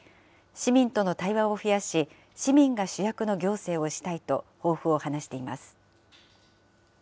市民との対話を増やし、市民が主役の行政をしたいと抱負を話しています。